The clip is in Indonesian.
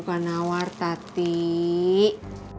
segini berapa nih